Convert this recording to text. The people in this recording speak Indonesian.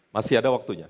masih ada waktunya